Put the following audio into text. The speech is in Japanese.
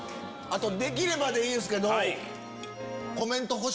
できればでいいんですけど。